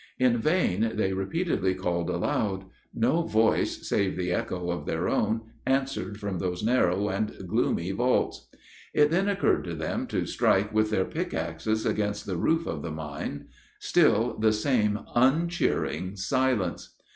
In vain they repeatedly called aloud; no voice, save the echo of their own, answered from those narrow and gloomy vaults. It then occurred to them to strike with their pickaxes against the roof of the mine. Still the same uncheering silence!